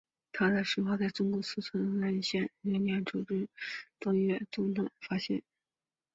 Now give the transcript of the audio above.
它的化石在中国四川省珙县石碑乡的自流井组东岳庙段中发现。